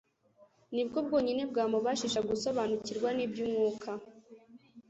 nibwo bwonyine bwamubashisha gusobanukirwa n'iby'umwuka.